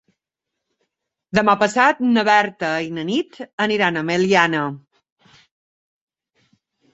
Demà passat na Berta i na Nit aniran a Meliana.